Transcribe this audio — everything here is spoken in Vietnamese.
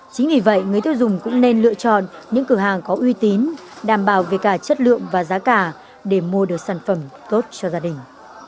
chính vì vậy người tiêu dùng cũng nên lựa chọn những cửa hàng có uy tín đảm bảo về cả chất lượng và giá cả để mua được sản phẩm tốt cho gia đình